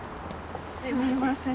すみません